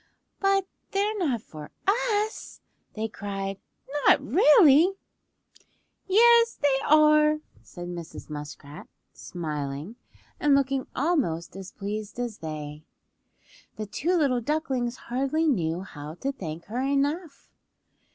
"But they're not for us?" they cried. "Not really?" "Yes they are," said Mrs. Muskrat, smiling, and looking almost as pleased as they. The two little ducklings hardly knew how to thank her enough.